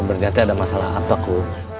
sebenernya ada masalah apa ku